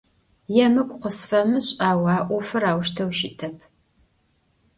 Yêmık'u khısfemış', au a 'ofır auşteu şıtep.